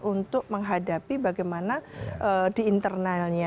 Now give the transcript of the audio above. untuk menghadapi bagaimana diinternalnya